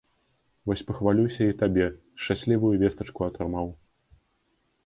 Вось пахвалюся і табе, шчаслівую вестачку атрымаў.